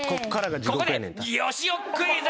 ここでよしおクイズ。